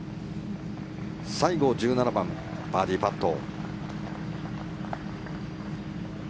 西郷１７番、バーディーパット。